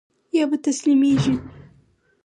يا به تسليمېږي.